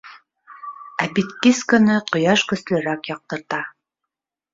Ә бит кис көнө ҡояш көслөрәк яҡтырта.